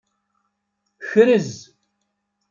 Krez.